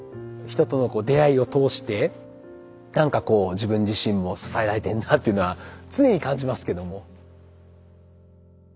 人との出会いを通して何かこう自分自身も支えられてるなっていうのは常に感じますけども。